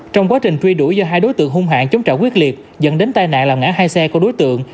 trong quá trình truy đuổi do hai đối tượng hung hạng chống trả quyết liệt dẫn đến tai nạn làm ngã hai xe của đối tượng